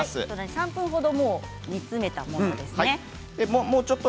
３分程煮詰めたものですね。